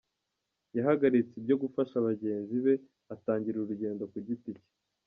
Yahagaritse ibyo gufasha bagenzi be atangira urugendo ku giti cye.